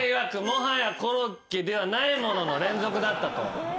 もはやコロッケではないものの連続だったと。